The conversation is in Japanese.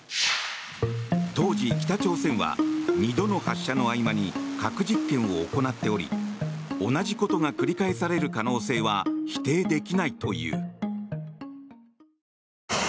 当時、北朝鮮は２度の発射の合間に核実験を行っており同じことが繰り返される可能性は否定できないという。